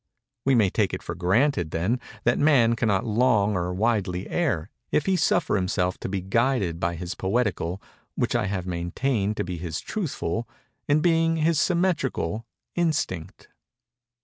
_ We may take it for granted, then, that Man cannot long or widely err, if he suffer himself to be guided by his poetical, which I have maintained to be his truthful, in being his symmetrical, instinct.